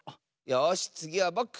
よしつぎはぼく！